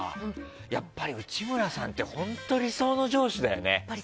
やっぱり内村さんって本当、理想の上司だよね。